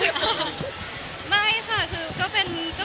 งานเปิดห้างหรือเปล่าค่ะ